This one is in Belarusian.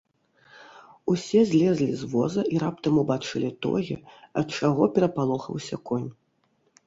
Усе злезлі з воза і раптам убачылі тое, ад чаго перапалохаўся конь.